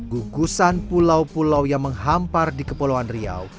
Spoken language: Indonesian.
gugusan pulau pulau yang menghampar di kepulauan riau